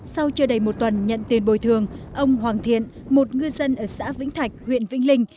sau chưa đầy một tuần nhận tiền bồi thường ông hoàng thiện một ngư dân ở xã vĩnh thạch huyện vĩnh linh